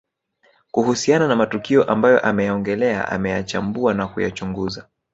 Kuhusiana na matukio ambayo ameyaongelea ameyachambua na kuyachunguza